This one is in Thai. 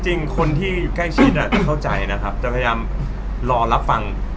จริงคนที่อยู่ใกล้ชิดจะเข้าใจนะครับจะพยายามรอรับฟัง